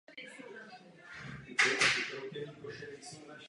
Za komunismu působil jako laický kazatel Církve bratrské.